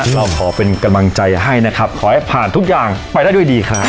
เราขอเป็นกำลังใจให้นะครับขอให้ผ่านทุกอย่างไปได้ด้วยดีครับ